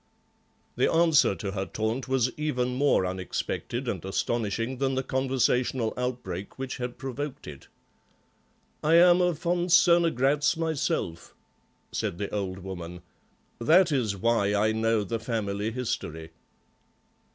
The answer to her taunt was even more unexpected and astonishing than the conversational outbreak which had provoked it. "I am a von Cernogratz myself," said the old woman, "that is why I know the family history."